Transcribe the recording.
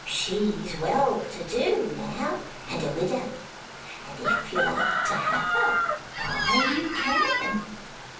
She's well to do now, and a widow. And if you like to have her, why you can.